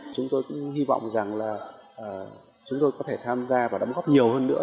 chúng tôi cũng hy vọng rằng là chúng tôi có thể tham gia và đóng góp nhiều hơn nữa